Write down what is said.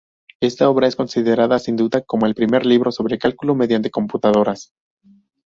Esta obra es considerada sin duda como el primer libro sobre cálculo mediante computadoras.